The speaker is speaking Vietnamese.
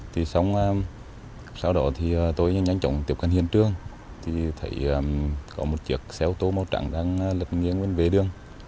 thì xong sau đó thì tôi nhanh chóng tiếp cận hiện trường thì thấy có một chiếc xe ô tô màu trắng đang lật nghiêng bên vệ đường